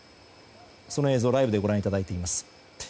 その映像をライブでご覧いただいています。